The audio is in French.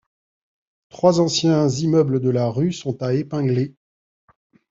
Trois anciens immeubles de la rue sont à épingler.